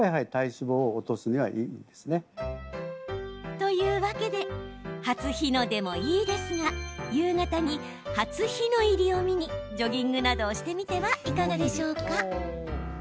というわけで初日の出もいいですが夕方に初日の入りを見にジョギングなどをしてみてはいかがでしょうか？